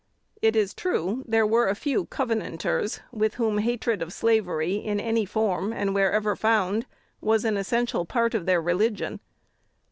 It is true, there were a few Covenanters, with whom hatred of slavery in any form and wherever found was an essential part of their religion.